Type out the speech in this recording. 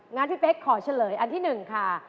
งั้นพี่เป๊กขอเฉลยอันที่๑ค่ะ